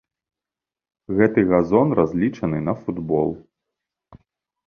Гэты газон разлічаны на футбол.